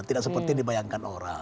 tidak seperti dibayangkan orang